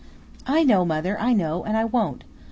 "I know, mother, I know, and I won't.